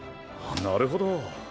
なるほど。